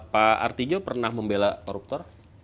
pak artijo pernah membela koruptor